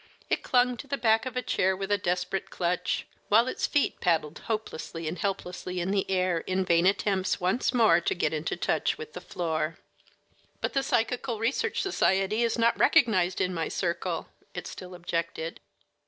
It clung to the back of a chair with a desperate clutch, while its feet paddled hopelessly and helplessly in the air, in vain attempts once more to get into touch with the floor. "But the Psychical Research Society is not recognized in my circle," it still objected.